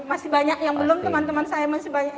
masih banyak yang belum teman teman saya masih banyak